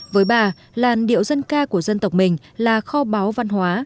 với bà làn điệu dân ca của dân tộc mình là kho báu văn hóa